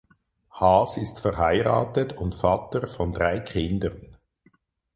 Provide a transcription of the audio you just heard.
Haas ist verheiratet und Vater von drei Kindern.